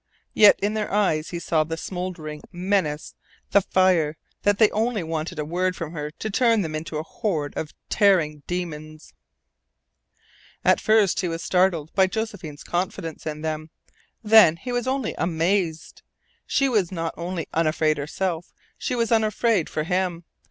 Yet in their eyes he saw the smouldering menace, the fire that wanted only a word from her to turn them into a horde of tearing demons. At first he was startled by Josephine's confidence in them. Then he was only amazed. She was not only unafraid herself; she was unafraid for him.